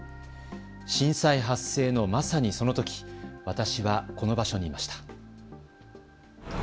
震災発生のまさにそのとき、私はこの場所にいました。